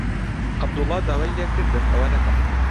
عەبدوڵڵا داوای لێ کردم ئەوە نەکەم.